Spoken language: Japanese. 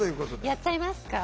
やっちゃいますか？